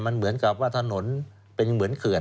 มันเหมือนกับว่าถนนเป็นเหมือนเขื่อน